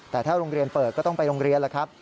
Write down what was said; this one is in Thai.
แต่ถ้าโรงเรียนเปิดก็ต้องไปโรงเรียนแล้วครับ